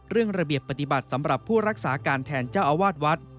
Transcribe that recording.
ระเบียบปฏิบัติสำหรับผู้รักษาการแทนเจ้าอาวาสวัด